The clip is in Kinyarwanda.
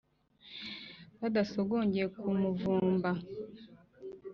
Badasogongeye ku muvumba.